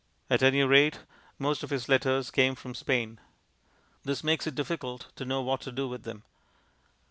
At any rate, most of his letters came from Spain. This makes it difficult to know what to do with them.